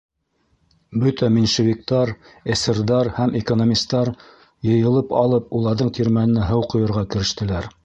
Бөтә менышевиктар, эсерҙар һәм экономистар, йыйылып алып, уларҙың тирмәненә һыу ҡойорға керештеләр.